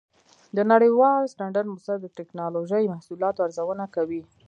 د نړیوال سټنډرډ مؤسسه د ټېکنالوجۍ محصولاتو ارزونه کوي.